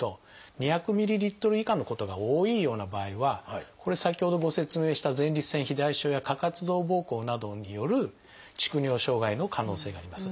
２００ｍＬ以下のことが多いような場合はこれ先ほどご説明した前立腺肥大症や過活動ぼうこうなどによる蓄尿障害の可能性があります。